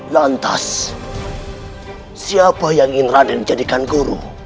lantas siapa yang ingin raden jadikan guru